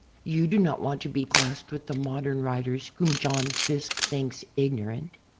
" You do not want to be classed with the "modern writers" whom John Fiske thinks "ignorant."